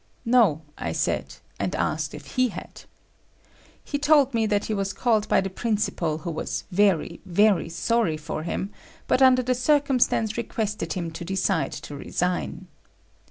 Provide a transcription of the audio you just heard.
No, I said, and asked if he had. He told me that he was called by the principal who was very, very sorry for him but under the circumstance requested him to decide to resign.